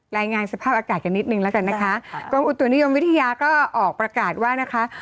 รายงานสภาพอากาศกันนิดนึงแล้วกันนะคะกรมอุตุนิยมวิทยาก็ออกประกาศว่านะคะ